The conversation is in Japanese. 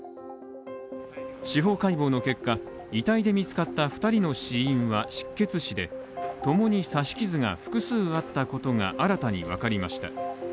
司法解剖の結果、遺体で見つかった２人の死因は失血死でともに刺し傷が複数あったことが新たに分かりました。